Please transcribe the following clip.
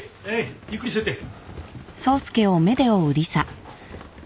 ゆっくりしてって。